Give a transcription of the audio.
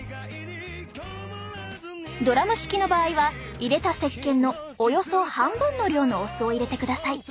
ドラム式の場合は入れたせっけんのおよそ半分の量のお酢を入れてください。